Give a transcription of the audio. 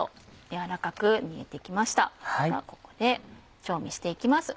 ではここで調味して行きます。